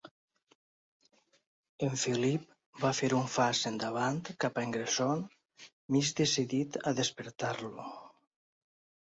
En Philip va fer un fas endavant cap a en Gregson, mig decidit a despertar-lo.